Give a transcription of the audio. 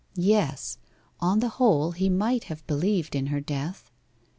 Yes on the whole, he might have believed in her death.